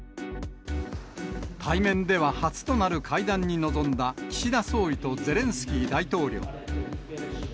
対面では初となる会談に臨んだ岸田総理とゼレンスキー大統領。